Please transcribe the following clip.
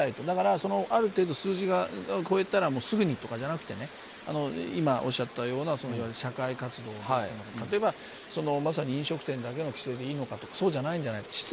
だから、ある程度数字を超えたらすぐにとかじゃなくて今、おっしゃったような社会活動ですとか例えばまさに飲食店だけの規制でいいのかとかそうじゃないんじゃないか。